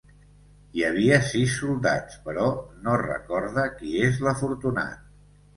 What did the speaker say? Hi havia sis soldats, però no recorda qui és l'afortunat.